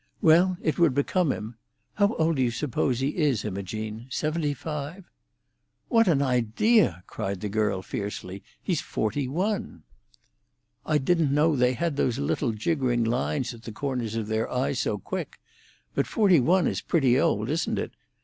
"Well, it would become him. How old do you suppose he is, Imogene? Seventy five?" "What an idea!" cried the girl fiercely. "He's forty one." "I didn't know they had those little jiggering lines at the corners of their eyes so quick. But forty one is pretty old, isn't it?